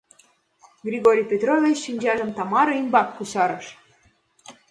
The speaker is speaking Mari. Григорий Петрович шинчажым Тамара ӱмбак кусарыш.